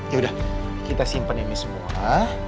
yaudah kita simpen ini semua